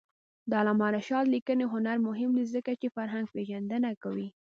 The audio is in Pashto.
د علامه رشاد لیکنی هنر مهم دی ځکه چې فرهنګپېژندنه کوي.